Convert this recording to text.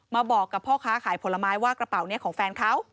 มาบอกกับพ่อค้าขายผลไม้ว่ากระเป๋านี้ของแฟนเขา